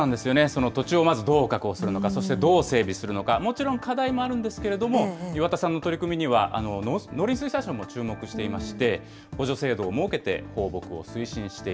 その土地をまずどう確保するのか、そしてどう整備するのか、もちろん課題もあるんですけれども、岩田さんの取り組みには、農林水産省も注目していまして、補助制度を設けて放牧を推進して